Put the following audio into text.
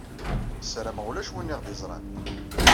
Sarameɣ ulac win i aɣ-d-iẓran.